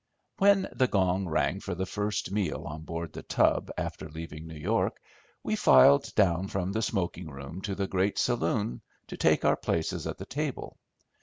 When the gong rang for the first meal on hoard The Tub after leaving New York, we filed down from the smoking room to the great saloon to take our places at the table.